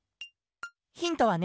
ヒントはね